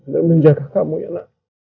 dan menjaga kamu ya nak